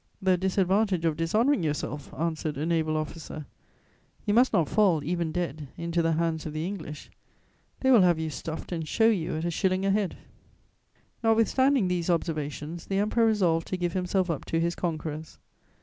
"The disadvantage of dishonouring yourself," answered a naval officer; "you must not fall, even dead, into the hands of the English. They will have you stuffed and show you at a shilling a head." * [Sidenote: The letter to the Regent.] Notwithstanding these observations, the Emperor resolved to give himself up to his conquerors.